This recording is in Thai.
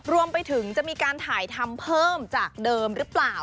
รวมไปถึงจะมีการถ่ายทำเพิ่มจากเดิมหรือเปล่า